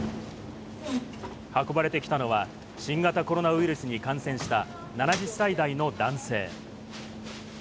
運ばれてきたのは、新型コロナウイルスに感染した７０歳代の男性。